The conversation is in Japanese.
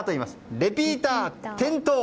レピーター点灯。